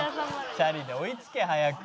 チャリで追いつけ早く。